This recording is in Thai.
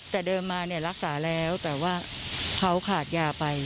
แต่เดิมมาเนี่ยรักษาแล้วแต่ว่าเขาขาดยาไป